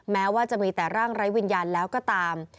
แม้ว่าจะมีแต่ร่างไร้วิญญาณแล้วก็ตาม